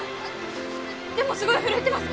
でもすごい震えてます。